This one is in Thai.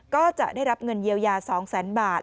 ก็จะได้รับเงินเยียวยา๒๐๐๐๐บาท